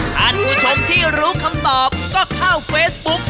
ท่านผู้ชมที่รู้คำตอบก็เข้าเฟซบุ๊ก